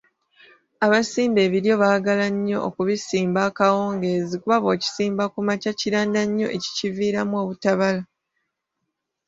Abasimba ebiryo baagala nnyo okubisimba akawungeezi kuba bw’okisimba ku makya kiranda nnyo ekikiviiramu obutabala.